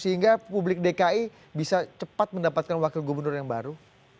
sehingga publik dki bisa cepat mendapatkan wakil gubernur yang baru